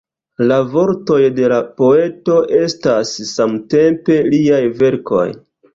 La vortoj de la poeto estas samtempe liaj verkoj.